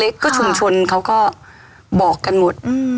เล็กก็ชุมชนเขาก็บอกกันหมด